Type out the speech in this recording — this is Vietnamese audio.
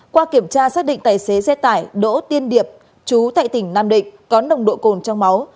qua kiểm tra xác định tài xế xe tải đỗ tiên điệp chú tại tỉnh nam định có nồng độ cồn trong máu